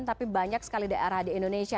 tapi banyak sekali daerah di indonesia